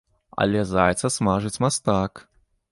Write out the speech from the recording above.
Але зайца смажыць мастак!